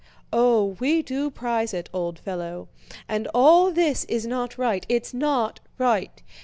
Oh, we do prize it, old fellow! And all this is not right, it's not right!